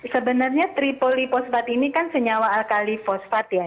sebenarnya tripolifosfat ini kan senyawa alkali fosfat ya